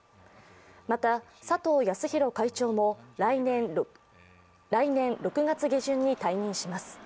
また、佐藤康博会長も来年６月下旬に退任します。